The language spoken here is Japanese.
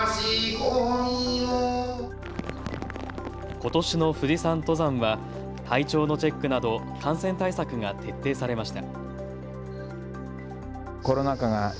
ことしの富士山登山は体調のチェックなど感染対策が徹底されました。